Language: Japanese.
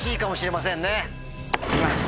行きます。